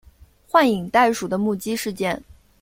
幻影袋鼠的目击事件。